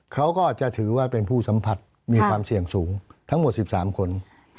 เขาก็จะถือว่าเป็นผู้สัมผัสมีความเสี่ยงสูงทั้งหมด๑๓คน